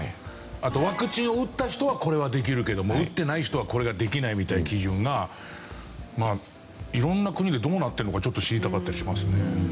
あとワクチンを打った人はこれはできるけども打ってない人はこれができないみたいな基準が色んな国でどうなってるのかちょっと知りたかったりしますね。